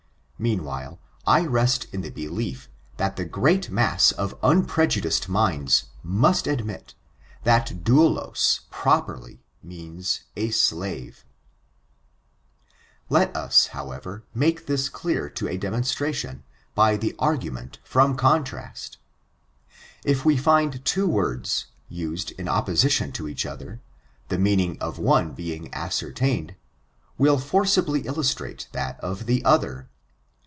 Meanwhile, I rest in the belief, that the great mass of unprejudiced minds, must admit, that doulas properly means a dave. I I '^^^^^ ON ABOUnOKISM. 688 I Let OS, bowever, make thia clear to a demonstration^ by the argument from contrast If we find two words, used in opposition to each other, the meaning of one being ascertained, will forcibly iUustrate that of die other.